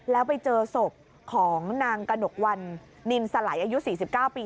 แล้วไปเจอศพของนางกระหนกวันนินสไหลอายุ๔๙ปี